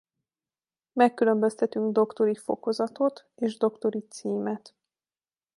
Megkülönböztetünk doktori fokozatot és doktori címet.